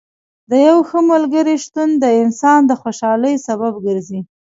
د یو ښه ملګري شتون د انسان د خوشحالۍ سبب ګرځي.